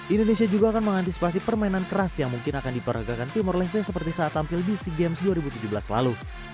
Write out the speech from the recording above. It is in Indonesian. indonesia juga akan mengantisipasi permainan keras yang mungkin akan diperagakan timor leste seperti saat tampil di sea games dua ribu tujuh belas lalu